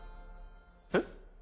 えっ？